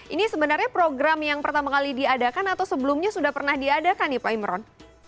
ini sebenarnya program yang pertama kali diadakan atau sebelumnya sudah pernah diadakan nih pak imron